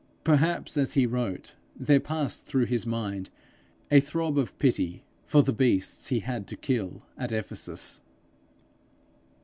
Perhaps as he wrote, there passed through his mind a throb of pity for the beasts he had to kill at Ephesus.